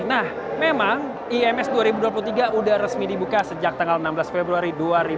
nah memang ims dua ribu dua puluh tiga sudah resmi dibuka sejak tanggal enam belas februari dua ribu dua puluh